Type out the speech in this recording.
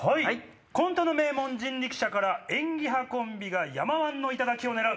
コントの名門人力舎から演技派コンビが山ー１の頂を狙う。